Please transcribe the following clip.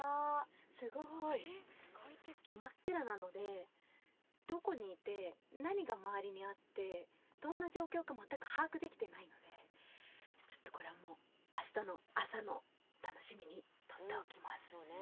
すごい真っ暗なのでどこにいて何が周りにあってどんな状況か全く把握できてないのでちょっとこれはもう明日の朝の楽しみに取っておきます